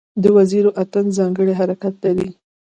د وزیرو اتن ځانګړی حرکت لري.